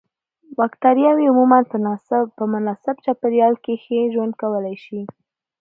بکټریاوې عموماً په مناسب چاپیریال کې ښه ژوند کولای شي.